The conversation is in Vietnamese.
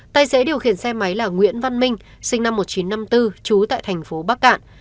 tài xế điều khiển xe máy là nguyễn văn minh sinh năm một nghìn chín trăm năm mươi bốn trú tại thành phố bắc cạn